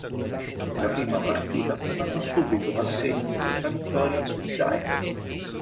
Nella prima partita andò subito a segno nella vittoria sui Giants.